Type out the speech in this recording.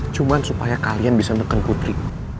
cuman supaya kalian bisa neken putri